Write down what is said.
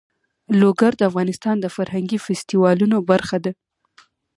لوگر د افغانستان د فرهنګي فستیوالونو برخه ده.